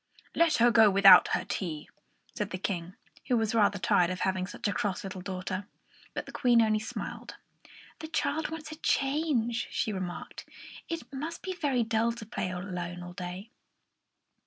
"Let her go without her tea," said the King, who was rather tired of having such a cross little daughter. But the Queen only smiled. "The child wants a change," she remarked. "It must be very dull to play alone all day."